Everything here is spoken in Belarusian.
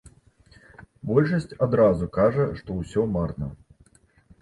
Большасць адразу кажа, што ўсё марна.